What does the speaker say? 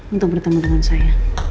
untuk bertemu dengan saya